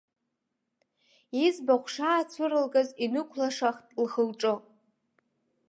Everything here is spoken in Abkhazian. Иӡбахә шаацәырылгаз инықәлашахт лхы-лҿы.